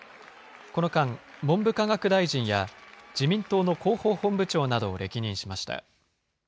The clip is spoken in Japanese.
この間、文部科学大臣や自民党の広報本部長などを歴任しました。